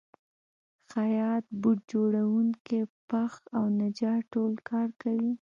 خیاط، بوټ جوړونکی، پښ او نجار ټول کار کوي